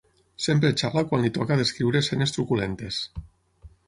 Sempre xala quan li toca descriure escenes truculentes.